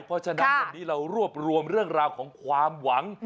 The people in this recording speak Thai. เพราะฉะนั้นวันนี้เรารวบรวมเรื่องราวของความหวัง